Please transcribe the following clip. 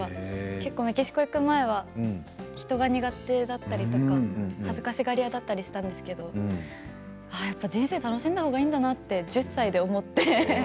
結構メキシコに行く前は人が苦手だったりとか恥ずかしがり屋だったりしたんですけど人生楽しんだほうがいいんだなと１０歳で思って。